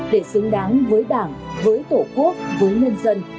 để xứng đáng với đảng với tổ quốc với nhân dân